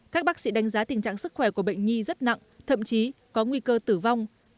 các bác sĩ đánh giá tình trạng sức khỏe của bệnh nhi rất nặng thậm chí có nguy cơ tử vong